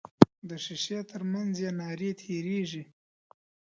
د ښیښې تر منځ یې نارې تیریږي.